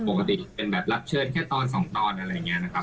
ปกติเป็นแบบรับเชิญแค่ตอน๒ตอนอะไรอย่างนี้นะครับ